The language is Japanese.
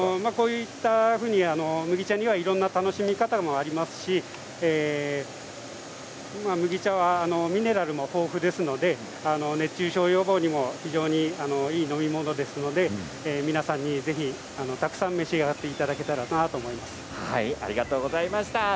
麦茶にはいろいろな楽しみ方もありますし麦茶はミネラルも豊富ですので熱中症予防にも非常にいい飲み物ですので皆さんに、ぜひたくさん召し上がっていただけたらなありがとうございました。